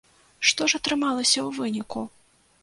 Што ж атрымалася ў выніку?